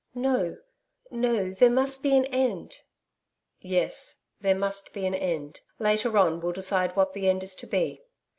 'No, no. There must be an end.' 'Yes. There must be an end. Later on, we'll decide what the end is to be.'